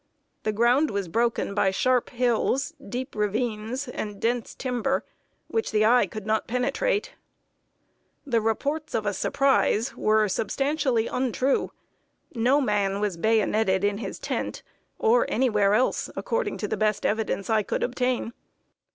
The ground was broken by sharp hills, deep ravines, and dense timber, which the eye could not penetrate. The reports of a surprise were substantially untrue. No man was bayoneted in his tent, or anywhere else, according to the best evidence I could obtain.